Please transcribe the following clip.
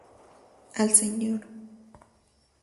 Al Sr.